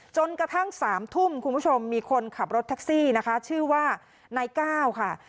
จนกระทั่ง๓ทุ่มคุณผู้ชมมีคนขับรถแท็กซี่นะคะชื่อว่านายก้าวค่ะ